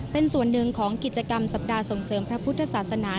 เป็นส่วนหนึ่งของกิจกรรมสัปดาห์ส่งเสริมพระพุทธศาสนา